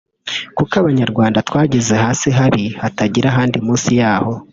kuko abanyarwanda twageze hasi habi hatagira ahandi munsi yaho